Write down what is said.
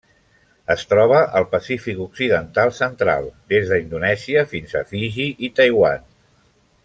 Es troba al Pacífic occidental central: des d'Indonèsia fins a Fiji i Taiwan.